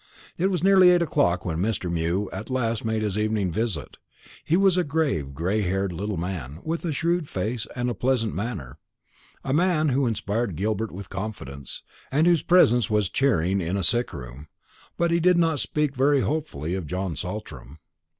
It was nearly eight o'clock when Mr. Mew at last made his evening visit. He was a grave gray haired little man, with a shrewd face and a pleasant manner; a man who inspired Gilbert with confidence, and whose presence was cheering in a sick room; but he did not speak very hopefully of John Saltram.